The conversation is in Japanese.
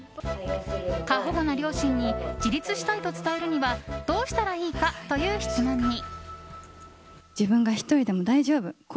過保護な両親に自立したいと伝えるにはどうしたらいいかという質問に。